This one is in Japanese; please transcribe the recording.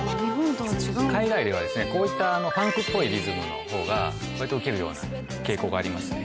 海外ではこういったファンクっぽいリズムのほうが割とウケるような傾向がありますね。